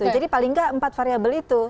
jadi paling enggak empat variabel itu